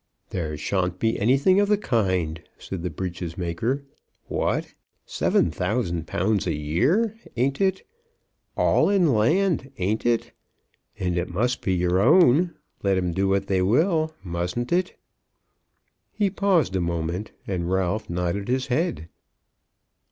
"There shan't be nothing of the kind," said the breeches maker. "What! £7,000 a year, ain't it? All in land, ain't it? And it must be your own, let 'em do what they will; mustn't it?" He paused a moment, and Ralph nodded his head.